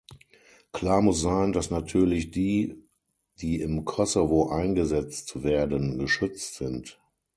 Klar muss sein, dass natürlich die, die im Kosovo eingesetzt werden, geschützt sind.